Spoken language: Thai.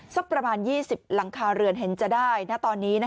สักประมาณ๒๐หลังคาเรือนเห็นจะได้ณตอนนี้